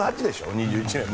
２１年前。